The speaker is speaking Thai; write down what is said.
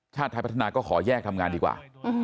ชาติไทยพัฒนาก็ขอแยกทำงานดีกว่า